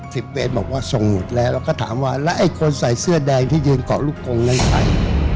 เบสบอกว่าส่งหมดแล้วแล้วก็ถามว่าแล้วไอ้คนใส่เสื้อแดงที่ยืนเกาะลูกกงนั้นใคร